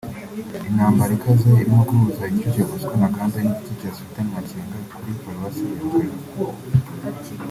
Intambara ikaze irimo guhuza igice cya Bosco Ntaganda n’igice Sultani Makenga kuri paroisse ya Rugari